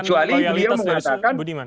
kecuali dia mengatakan